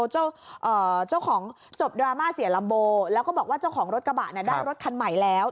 เจ้าของจบดราม่าเสียลัมโบแล้วก็บอกว่าเจ้าของรถกระบะได้รถคันใหม่แล้ว